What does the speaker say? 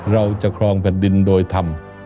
เราจะครองแผ่นดินโดยธรรม